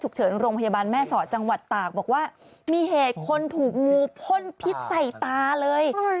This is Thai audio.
เฉินโรงพยาบาลแม่สอดจังหวัดตากบอกว่ามีเหตุคนถูกงูพ่นพิษใส่ตาเลย